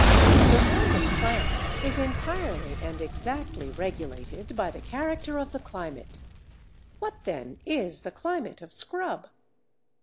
The world of plants is entirely and exactly regulated by the character of the climate. What, then, is the climate of scrub?